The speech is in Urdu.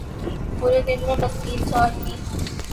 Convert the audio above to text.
پورے دن میں بس تین چار ہی ۔